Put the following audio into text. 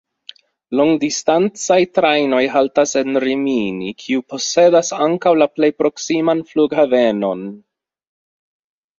Longdistancaj trajnoj haltas en Rimini, kiu posedas ankaŭ la plej proksiman flughavenon.